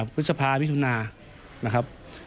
พฤษภาพมิถุนา